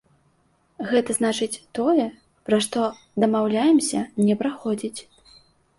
Гэта значыць, тое, пра што дамаўляемся, не праходзіць.